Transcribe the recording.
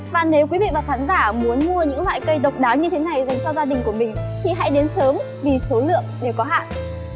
và nếu quý vị và khán giả muốn mua những loại cây độc đáo như thế này dành cho gia đình của mình thì hãy đến sớm vì số lượng đều có hạn